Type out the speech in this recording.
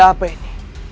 ada apa ini